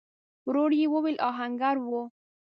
ورو يې وويل: آهنګر و؟